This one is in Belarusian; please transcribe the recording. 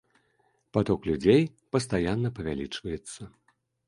Паток людзей пастаянна павялічваецца.